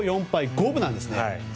五分なんですね。